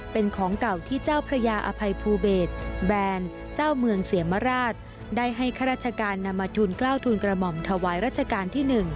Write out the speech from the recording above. เป็นกล้าวทูลกระหม่อมถวายรัชกาลที่๑